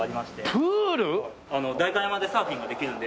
代官山でサーフィンができるので。